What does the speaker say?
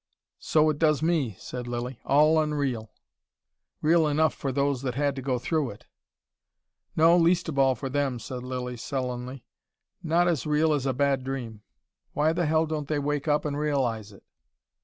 "So it does me," said Lilly. "All unreal." "Real enough for those that had to go through it." "No, least of all for them," said Lilly sullenly. "Not as real as a bad dream. Why the hell don't they wake up and realise it!"